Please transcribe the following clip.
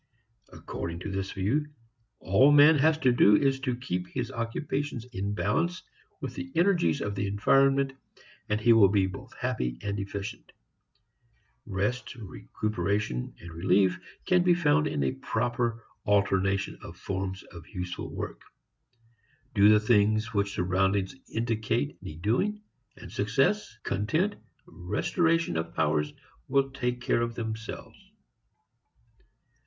According to this view, all man has to do is to keep his occupations in balance with the energies of the environment and he will be both happy and efficient. Rest, recuperation, relief can be found in a proper alternation of forms of useful work. Do the things which surroundings indicate need doing, and success, content, restoration of powers will take care of themselves.